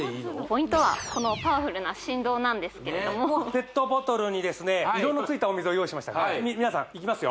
ポイントはこのパワフルな振動なんですけれどもペットボトルにですね色のついたお水を用意しました皆さんいきますよ